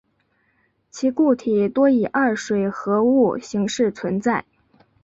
其固体多以二水合物形式存在。